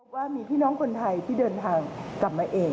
ว่ามีพี่น้องคนไทยที่เดินทางกลับมาเอง